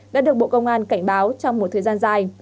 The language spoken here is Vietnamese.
đã được bộ công an cảnh báo trong một thời gian dài